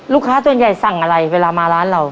ลูกค้าส่งอะไรเมื่อมาร้านเรา